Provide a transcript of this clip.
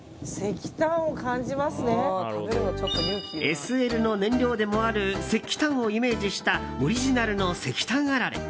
ＳＬの燃料でもある石炭をイメージしたオリジナルの石炭あられ。